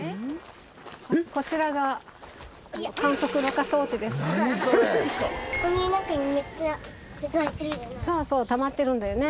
こちらがそうそうたまってるんだよね。